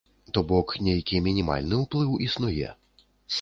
То бок, нейкі мінімальны ўплыў існуе.